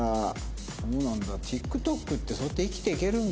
そうなんだＴｉｋＴｏｋってそうやって生きていけるんだ。